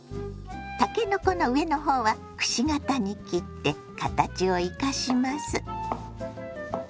たけのこの上の方はくし形に切って形を生かします。